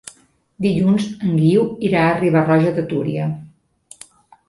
Dilluns en Guiu irà a Riba-roja de Túria.